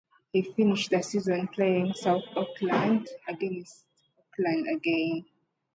He finished the season playing for South Auckland against Auckland again.